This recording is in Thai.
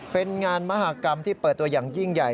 เป็นงานมหากรรมที่เปิดตัวอย่างยิ่งใหญ่